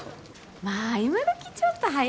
まあ今どきちょっと早いか。